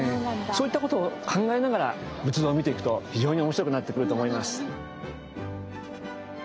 そういったことを考えながら仏像を見ていくと非常に面白くなってくると思います。